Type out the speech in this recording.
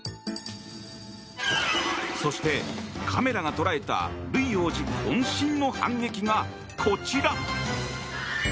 そして、カメラが捉えたルイ王子渾身の反撃がこちら。